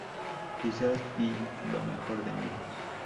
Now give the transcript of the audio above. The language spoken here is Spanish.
Quizás di lo mejor de mí.